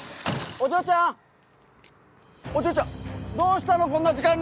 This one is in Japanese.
お嬢ちゃんどうしたのこんな時間に。